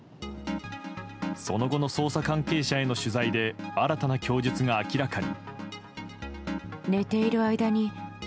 その後の捜査関係者への取材で新たな供述が明らかに。